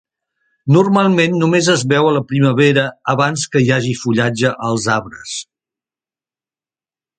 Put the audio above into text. Normalment només es veu a la primavera abans que hi hagi fullatge als arbres.